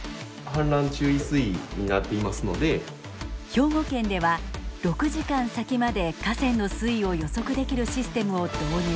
兵庫県では６時間先まで河川の水位を予測できるシステムを導入。